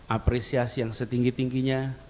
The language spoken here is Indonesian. apresiasi yang setinggi tingginya